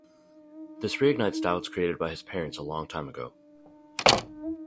This reignites doubts created by his parents a long time ago.